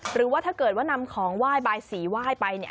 หรือว่าถ้าเกิดว่านำของว่ายบายสีว่ายไป